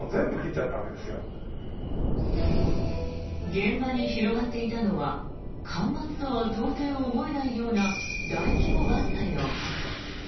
現場に広がっていたのは間伐とは到底思えないような大規模伐採の跡。